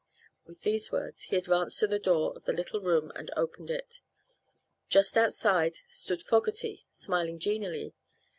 With these words he advanced to the door of the little room and opened it. Just outside stood Fogerty, smiling genially.